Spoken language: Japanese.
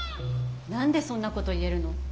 何でそんなこと言えるの？